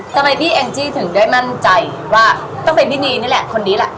ทำไมพี่แองจี้ถึงได้มั่นใจว่าต้องเป็นพี่นีนี่แหละคนนี้แหละ